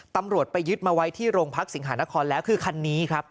ตำรวจไปยึดมาไว้ที่โรงพักสิงหานครแล้วคือคันนี้ครับ